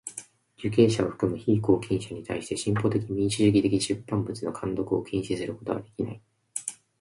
受刑者を含む被拘禁者にたいして進歩的民主主義的出版物の看読を禁止することはできない。